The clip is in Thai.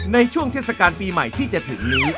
ในช่วงเทศกาลปีใหม่ที่จะถึงนี้